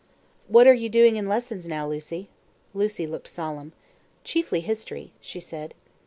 "What are you doing in lessons now, Lucy?" Lucy looked solemn. "Chiefly history," she said.